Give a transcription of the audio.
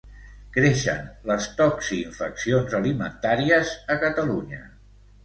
Creixen les toxiinfeccions alimentàries a Catalunya.